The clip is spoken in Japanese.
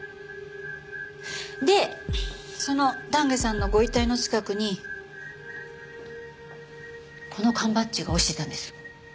でその丹下さんのご遺体の近くにこの缶バッジが落ちてたんです。